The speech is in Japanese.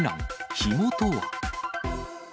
火元は？